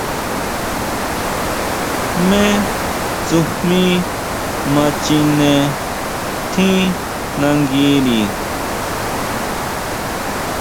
¿Jmé tsujmí ma chine tjín nanguiri?